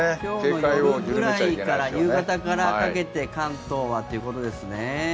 夕方ぐらいからかけて関東はということですね。